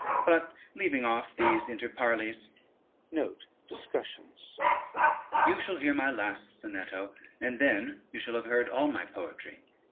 But leaving off these interparleys, you shall hear my last sonetto, and then you have heard all my poetry."